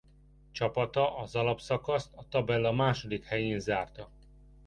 Csapata az alapszakaszt a tabella második helyén zárta.